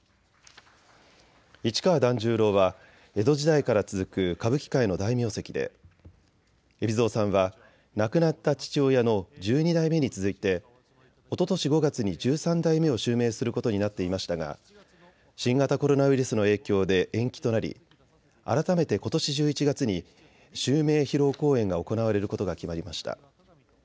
市川團十郎は江戸時代から続く歌舞伎界の大名跡で海老蔵さんは亡くなった父親の十二代目に続いておととし５月に十三代目を襲名することになっていましたが新型コロナウイルスの影響で延期となり改めてことし１１月に襲名披露公演が行われることが決まりました。